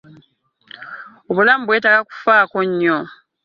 obulamu bwetaaga kufaako nnyo.